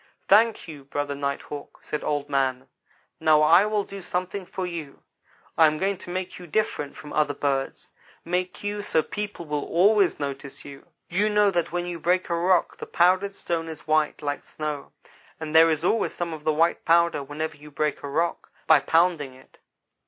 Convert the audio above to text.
"'Thank you, Brother Night hawk, ' said Old man, 'now I will do something for you. I am going to make you different from other birds make you so people will always notice you.' "You know that when you break a rock the powdered stone is white, like snow; and there is always some of the white powder whenever you break a rock, by pounding it.